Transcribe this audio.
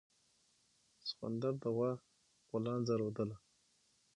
سخوندر د غوا غولانځه رودله.